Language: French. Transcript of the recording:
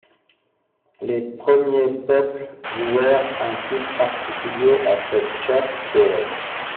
Les premiers peuples vouèrent un culte particulier à cette chaste déesse.